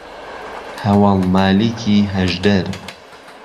ههوەڵ مالیکی ههژدەر